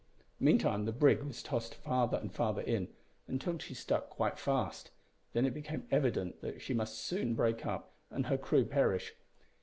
Meantime the brig was tossed farther and farther in, until she stuck quite fast. Then it became evident that she must soon break up, and her crew perish.